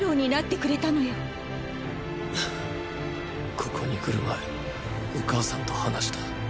ここに来る前お母さんと話した。